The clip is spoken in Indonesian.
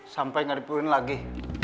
sampai gak dipulihin lagi